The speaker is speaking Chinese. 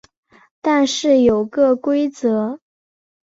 但是有个规则